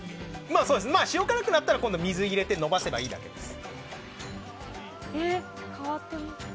塩辛くなったら今度は水を入れてのばせばいいだけです。